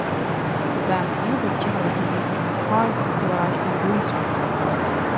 The band's music generally consisted of hard, garage and blues rock.